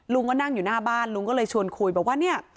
ลุงก็นั่งอยู่หน้าบ้านลุงก็เลยชวนคุยบอกว่าเนี่ย